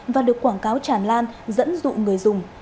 và được quảng cáo tràn lan dẫn dụ người dùng